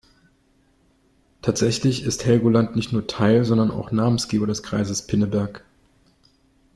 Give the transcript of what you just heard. Tatsächlich ist Helgoland nicht nur Teil, sondern auch Namensgeber des Kreises Pinneberg.